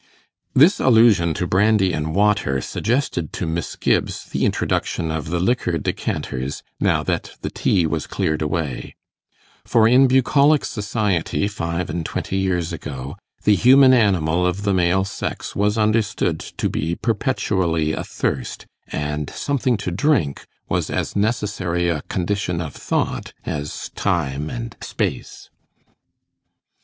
This allusion to brandy and water suggested to Miss Gibbs the introduction of the liquor decanters, now that the tea was cleared away; for in bucolic society five and twenty years ago, the human animal of the male sex was understood to be perpetually athirst, and 'something to drink' was as necessary a 'condition of thought' as Time and Space.